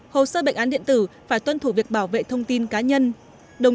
hồ sơ bệnh án điện tử phải tuân thủ việc bảo vệ thông tin cá nhân